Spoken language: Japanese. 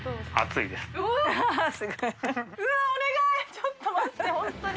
ちょっと待って本当に。